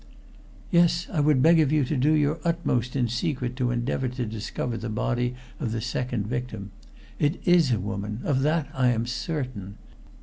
"Yes, I would beg of you to do your utmost in secret to endeavor to discover the body of the second victim. It is a woman of that I am certain.